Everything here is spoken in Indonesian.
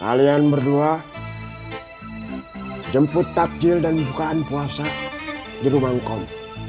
kalian berdua jemput takjil dan bukaan puasa di rumah engkau